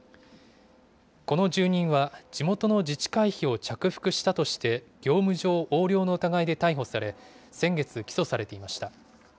この住人は、地元の自治会費を着服したとして、業務上横領の疑いで逮捕され、先月、起訴されていました。